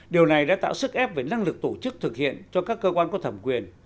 điều này đã tạo sức ép về năng lực tổ chức thực hiện cho các cơ quan có thẩm quyền